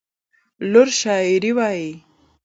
لور شاعري وايي.